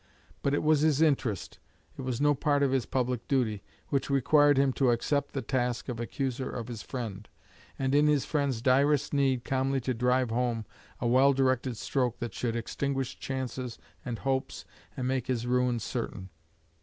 But it was his interest, it was no part of his public duty, which required him to accept the task of accuser of his friend, and in his friend's direst need calmly to drive home a well directed stroke that should extinguish chances and hopes, and make his ruin certain.